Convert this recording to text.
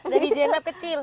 jadi jenab kecil